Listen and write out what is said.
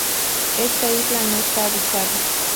Esta isla no está habitada.